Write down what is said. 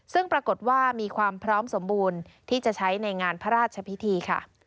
ซึ่งปรากฏว่ามีความพร้อมสมบูรณ์ที่จะใช้ในงานพระราชพิธีค่ะ